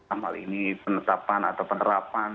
amal ini penetapan atau penerapan